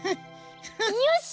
よし！